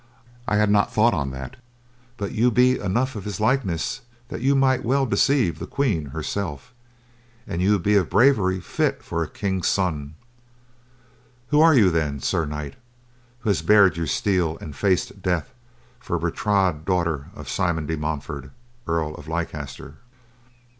"I had not thought on that; but you be enough of his likeness that you might well deceive the Queen herself. And you be of a bravery fit for a king's son. Who are you then, Sir Knight, who has bared your steel and faced death for Bertrade, daughter of Simon de Montfort, Earl of Leicester?"